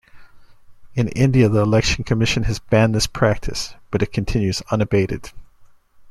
In India, the Election Commission has banned this practice, but it continues unabated.